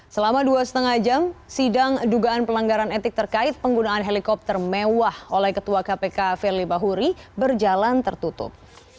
selama dua lima jam sidang dugaan pelanggaran etik terkait penggunaan helikopter mewah oleh ketua kpk firly bahuri berjalan tertutup